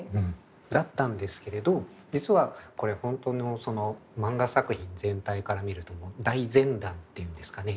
だったんですけれど実はこれ本当の漫画作品全体から見ると大前段っていうんですかね